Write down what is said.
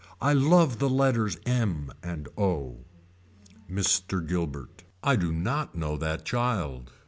I love the letters m and o. Mr. Gilbert. I do not know that child.